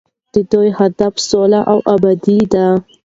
د ده هدف سوله او ابادي ده.